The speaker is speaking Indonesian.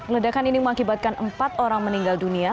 ledakan ini mengakibatkan empat orang meninggal dunia